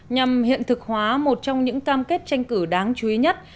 nhằm hiện thực hóa một trong những cam kết tranh cử đáng chú ý nhất